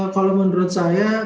kalau menurut saya